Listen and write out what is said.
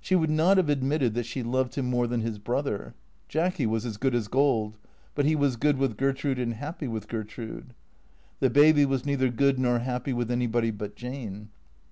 She would not have admitted that she loved him more than his brother. Jacky was as good as gold ; but he was good with Gertrude and happy with Gertrude. The baby was neither good nor happy with anybody but Jane.